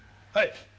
はい。